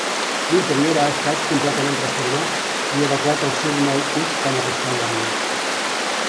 L'interior ha estat completament reformat i adequat al seu nou ús com a restaurant.